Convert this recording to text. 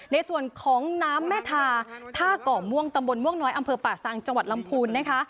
ในส่วนของน้ำแม่ทาท่าก่อม่วงตำบลม่วงน้อยอำเภอป่าซังจังหวัดลำพูนนะคะ